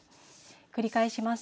繰り返します。